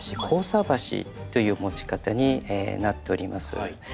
「交差箸」という持ち方になっております。